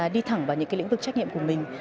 đi thẳng vào những lĩnh vực trách nhiệm của mình